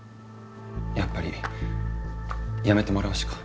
やっぱり辞めてもらうしか。